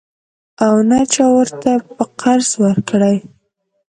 او نه چا ورته په قرض ورکړې.